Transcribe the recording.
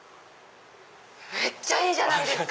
めっちゃいいじゃないですか！